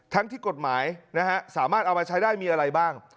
ที่กฎหมายสามารถเอามาใช้ได้มีอะไรบ้าง